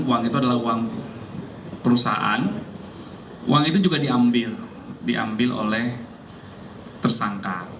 uang itu adalah uang perusahaan uang itu juga diambil diambil oleh tersangka